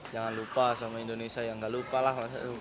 jangan lupa sama indonesia ya nggak lupa lah